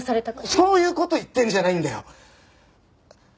そういう事言ってるんじゃないんだよ！